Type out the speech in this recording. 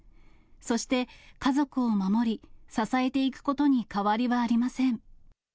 そして家族を守り、支えていくことに変わりはありません。